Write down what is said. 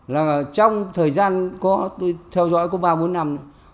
là trong thời gian tôi theo dõi có ba bốn năm rồi